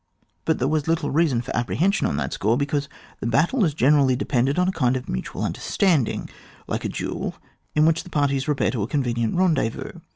But there was little reason for apprehension on that score, because the battles generally depended on a kind of mutual understanding, like a duel, in which the parties repair to a convenient rendezvous.